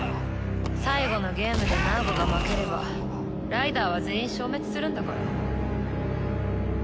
最後のゲームでナーゴが負ければライダーは全員消滅するんだから。